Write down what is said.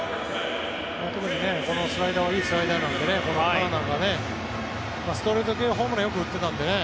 特に、このスライダーはいいスライダーなのでターナーがストレート系をホームラン、よく打ってたんでね